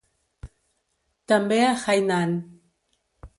També a Hainan.